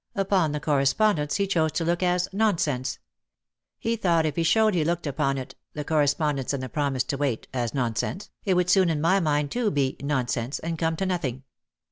Upon the correspondence he chose to look as "nonsense." He thought if he showed he looked upon it — the correspond ence and the promise to wait — as nonsense, it would soon, in my mind too, be "nonsense," and come to noth ing.